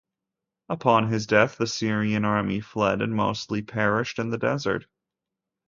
Upon his death, the Syrian army fled and mostly perished in the desert.